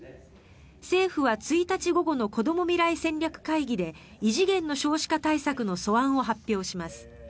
政府は１日午後のこども未来戦略会議で異次元の少子化対策の素案を発表します。